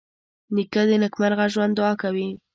نیکه د نېکمرغه ژوند دعا کوي.